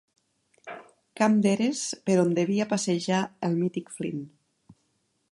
Camp d'eres per on devia passejar el mític Flynn.